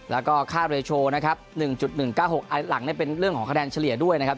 แล้วก็ค่าเรชโอ๑๑๙๖หลังเป็นเรื่องของคะแนนเฉลี่ยด้วยนะครับ